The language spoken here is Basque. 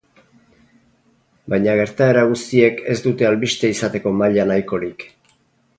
Baina gertaera guztiek ez dute albiste izateko maila nahikorik.